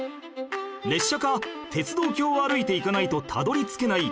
列車か鉄道橋を歩いていかないとたどり着けない